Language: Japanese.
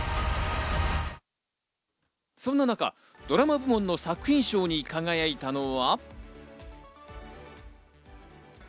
そんな中、ドラマ部門の作品賞に輝いたのは。